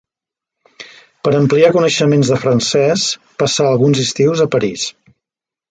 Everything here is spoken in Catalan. Per ampliar coneixements de francès passà alguns estius a París.